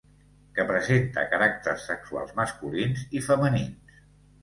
Que presenta caràcters sexuals masculins i femenins.